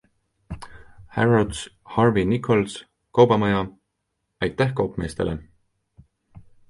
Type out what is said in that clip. Harrods, Harvey Nichols, Kaubamaja ...- aitäh kaupmeestele!